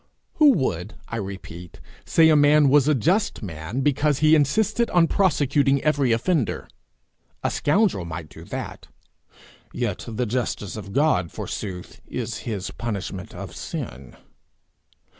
Who would, I repeat, say a man was a just man because he insisted on prosecuting every offender? A scoundrel might do that. Yet the justice of God, forsooth, is his punishment of sin!